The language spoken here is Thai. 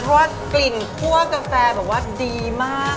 เพราะว่ากลิ่นคั่วกาแฟแบบว่าดีมาก